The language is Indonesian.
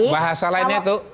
bahasa lainnya itu